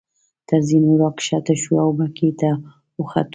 تر زینو را کښته شوو او بګۍ ته وختو.